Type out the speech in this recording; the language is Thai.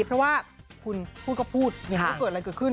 เพราะว่าคุณพูดก็พูดอย่างนี้เกิดอะไรเกิดขึ้น